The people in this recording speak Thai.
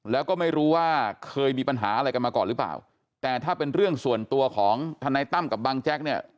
แล้วก็ไม่รู้ว่าเคยมีปัญหาอะไรกันมาก่อนหรือเปล่าแต่ถ้าเป็นเรื่องส่วนตัวของทนายตั้มกับบังแจ๊กเนี่ย